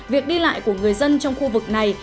việc đi lại của người dân trong khu vực này